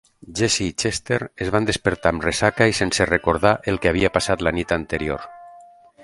Jesse i Chester es van despertar amb ressaca i sense recordar el que havia passat la nit anterior.